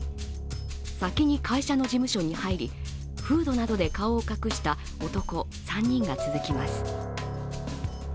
先に会社の事務所に入り、フードなどで顔を隠した男３人が続きます。